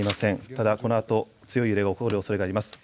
ただこのあと強い揺れ起こるおそれがあります。